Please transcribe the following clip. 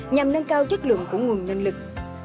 nhằm nâng cao chất lượng của nguồn nhân lực